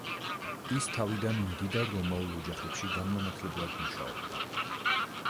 ის თავიდან მდიდარ რომაულ ოჯახებში განმანათლებლად მუშაობდა.